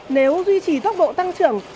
nếu duy trì tốc độ tăng trưởng